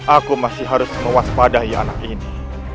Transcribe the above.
aku masih harus mewaspadai anak ini